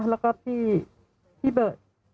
แล้วก็พี่เบิร์ต